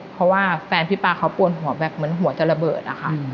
เพราะว่าแฟนพี่ป๊าเขาปวดหัวแบบเหมือนหัวจะระเบิดอะค่ะ